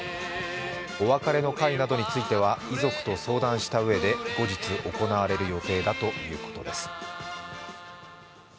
お別れの会などについては遺族と相談したうえで後日行われる予定だということです。